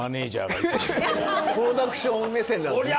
プロダクション目線なんですね。